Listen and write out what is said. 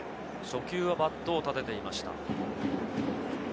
初球はバットを立てていました。